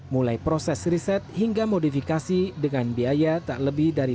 mulai proses riset hingga modifikasi dengan biaya tak lebih dari rp empat ratus